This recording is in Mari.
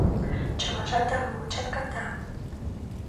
Чылажат ару, чатката.